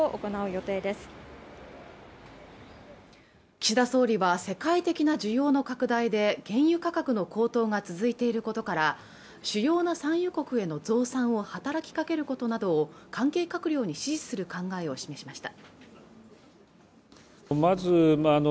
岸田総理は世界的な需要の拡大で原油価格の高騰が続いていることから主要な産油国の増産を働きかけることなどを関係閣僚に指示する考えを示しました